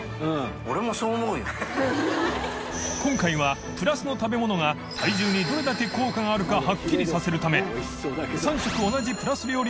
禳２鵑プラスの食べ物が僚鼎どれだけ効果があるかはっきりさせるため磴覆里